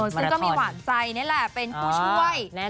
ซึ่งก็มีหวานใจนี่แหละเป็นผู้ช่วย